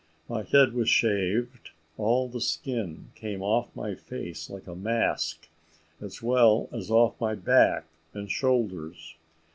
My head was shaved, all the skin came off my face like a mask, as well as off my back and shoulders.